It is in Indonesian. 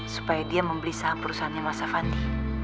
supaya dia membeli saham perusahaannya mas avandi